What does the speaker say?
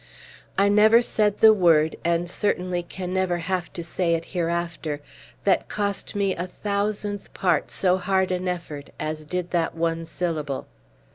I never said the word and certainly can never have it to say hereafter that cost me a thousandth part so hard an effort as did that one syllable.